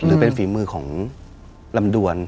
หรือเป็นฝีมือของลำดวน